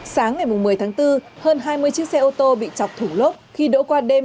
sáng ngày một mươi tháng bốn hơn hai mươi chiếc xe ô tô bị chọc thủ lốp khi đỗ qua đêm